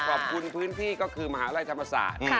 ขอบคุณพื้นที่ก็คือมหาวิทยาลัยธรรมศาสตร์